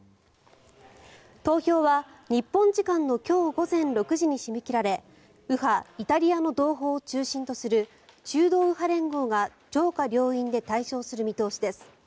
投票は日本時間の今日午前６時に締め切られ右派イタリアの同胞を中心とする中道右派連合が上下両院で大勝する見通しです。